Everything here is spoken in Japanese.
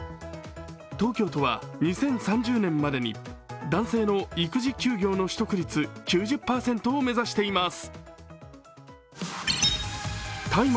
東京都は２０３０年までに男性の育児休業の取得率９０％を目指しています。